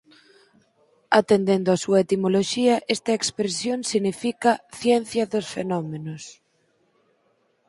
Atendendo á súa etimoloxía esta expresión significa "ciencia dos fenómenos".